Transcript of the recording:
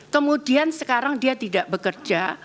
kemudian sekarang dia tidak bekerja